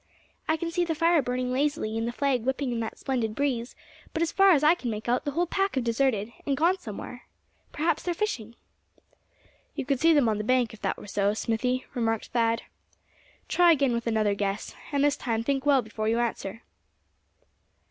"I can see the fire burning lazily, and the flag whipping in that splendid breeze; but as far as I can make out the whole pack have deserted, and gone somewhere. Perhaps they're fishing." "You could see them on the bank, if that were so, Smithy," remarked Thad. "Try again with another guess; and this time think well before you answer."